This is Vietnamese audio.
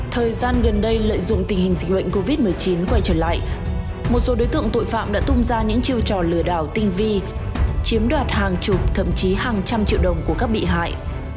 thời gian gần đây lợi dụng tình hình dịch bệnh covid một mươi chín quay trở lại một số đối tượng tội phạm đã tung ra những chiêu trò lừa đảo tinh vi chiếm đoạt hàng chục thậm chí hàng trăm triệu đồng của các bị hại